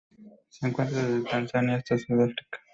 Se encuentra desde Tanzania hasta Sudáfrica.